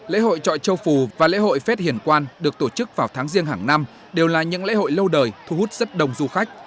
lễ hội trọi châu phù và lễ hội phết hiền quan được tổ chức vào tháng riêng hàng năm đều là những lễ hội lâu đời thu hút rất đông du khách